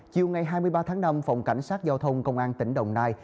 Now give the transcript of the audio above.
chiều ngày hai mươi ba tháng năm phòng cảnh sát giao thông công an tỉnh đồng nai